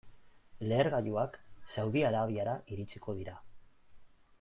Lehergailuak Saudi Arabiara iritsiko dira.